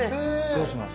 どうします？